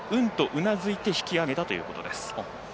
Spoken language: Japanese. うなずいて引き上げたということです。